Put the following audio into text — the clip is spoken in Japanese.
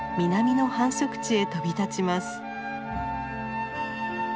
南の繁殖地へ飛び立ちます。